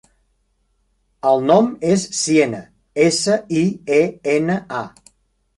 El nom és Siena: essa, i, e, ena, a.